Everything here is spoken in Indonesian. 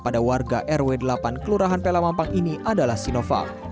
pada warga rw delapan kelurahan pelamampang ini adalah sinovac